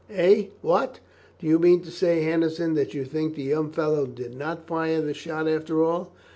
"Eh! what? Do you mean to say, Henderson, that you think the young fellow did not fire the shot after all?